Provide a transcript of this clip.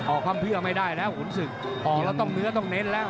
ออกความเพื่อไม่ได้แล้วหุ่นศึกออกแล้วต้องเน้นแล้ว